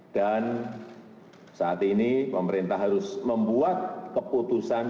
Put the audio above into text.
dan saat ini pemerintah harus membuat keputusan